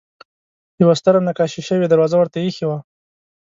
یوه ستره نقاشي شوې دروازه ورته اېښې وه.